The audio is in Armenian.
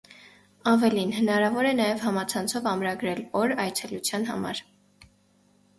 Ավելին, հնարավոր է նաև համացանցով ամրագրել օր՝ այցելության համար։